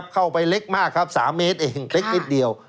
เข้าไปเล็กมากครับ๓เมตรเองเล็กนิดเดียว